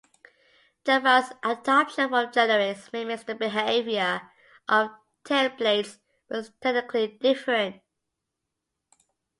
Java's adoption of generics mimics the behavior of templates, but is technically different.